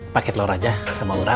pakai telur aja sama udara